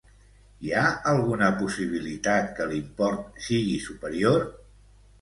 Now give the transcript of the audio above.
Hi ha alguna possibilitat que l'import sigui superior?